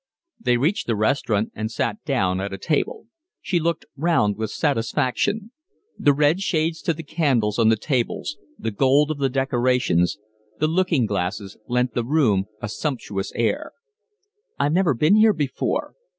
They reached the restaurant and sat down at a table. She looked round with satisfaction. The red shades to the candles on the tables, the gold of the decorations, the looking glasses, lent the room a sumptuous air. "I've never been here before."